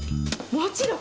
もちろん！